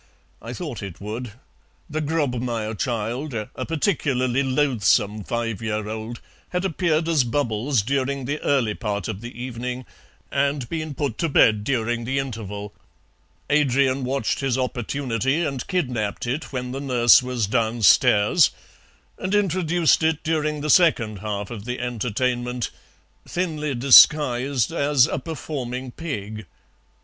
I thought it would. The Grobmayer child, a particularly loathsome five year old, had appeared as 'Bubbles' during the early part of the evening, and been put to bed during the interval. Adrian watched his opportunity and kidnapped it when the nurse was downstairs, and introduced it during the second half of the entertainment, thinly disguised as a performing pig.